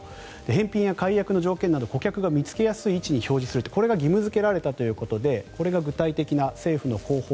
返品や解約の条件など顧客が見つけやすい位置に表示するとこれが義務付けられたということでこれが具体的な政府の方法